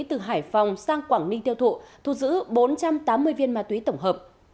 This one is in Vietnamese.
từ hải phòng sang quảng ninh tiêu thụ thu giữ bốn trăm tám mươi viên ma túy tổng hợp